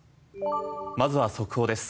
まずは速報です。